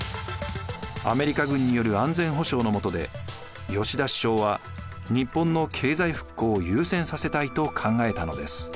アメリカ軍による安全保障の下で吉田首相は日本の経済復興を優先させたいと考えたのです。